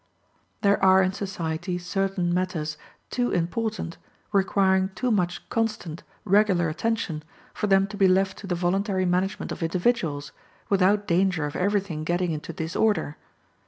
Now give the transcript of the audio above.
There are in society certain matters too important, requiring too much constant, regular attention, for them to be left to the voluntary management of individuals, without danger of everything getting into disorder.